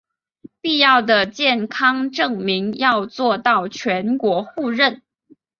必要的健康证明要做到全国互认